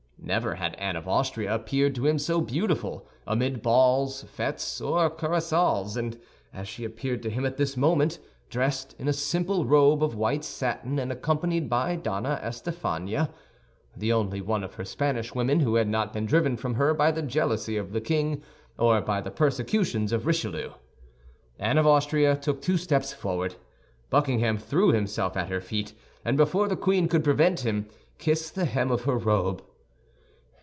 Never had Anne of Austria appeared to him so beautiful, amid balls, fêtes, or carousals, as she appeared to him at this moment, dressed in a simple robe of white satin, and accompanied by Donna Estafania—the only one of her Spanish women who had not been driven from her by the jealousy of the king or by the persecutions of Richelieu. Anne of Austria took two steps forward. Buckingham threw himself at her feet, and before the queen could prevent him, kissed the hem of her robe.